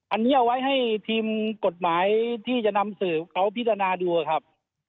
อันนี้เอาไว้ให้ทีมกฎหมายที่จะนำสืบเขาพิจารณาดูครับ